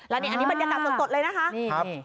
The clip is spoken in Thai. แล้วอันนี้เป็นการการสดเลยนะครับ